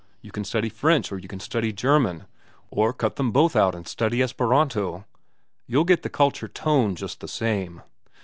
You can study French, or you can study German, or cut them both out and study Esperanto, you'll get the culture tone just the same.